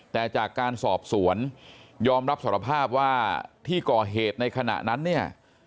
แต่จากการสอบสวนยอมรับสารภาพว่าที่ก่อเหตุในขณะนั้นเนี่ย